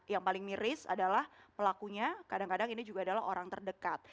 yang paling miris adalah pelakunya kadang kadang ini juga adalah orang terdekat